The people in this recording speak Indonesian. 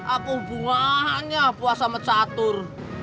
apa hubungannya puasa sama catur